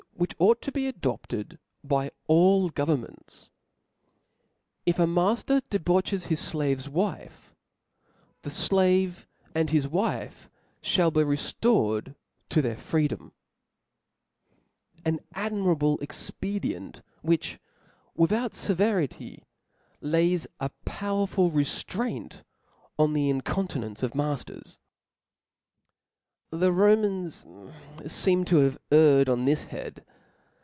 ^hich ought to be adopted by all governments. *' If a mafter debauches his flave's wife, the flave *^ and his wife (hall be reftored to their freedom/* An admirable expedient, which, without fevcrity, lays a powerful reftraint on the incontinence of mafters ! The Romans feem to have erred on this head.